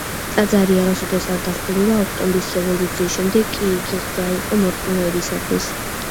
ტაძარი არასოდეს არ დახურულა, ოქტომბრის რევოლუციის შემდეგაც კი იგი ღია იყო მორწმუნეებისათვის.